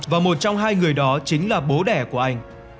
và một trong hai người đó chính là bố đẻ của anh